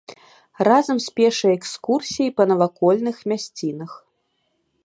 Разам з пешай экскурсіяй па навакольных мясцінах.